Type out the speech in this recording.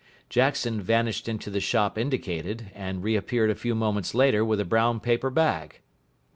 Jackson vanished into the shop indicated, and reappeared a few moments later with a brown paper bag.